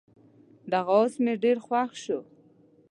دغه اس مې ډېر خوښ شو.